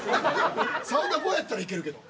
サウナ後やったらいけるけど。